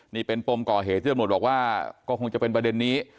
นี่เป็นปมก่อเหตุที่ตำรวจบอกว่าก็คงจะเป็นประเด็นนี้